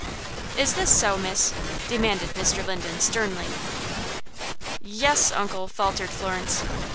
"Is this so, miss?" demanded Mr. Linden, sternly. "Yes, uncle," faltered Florence.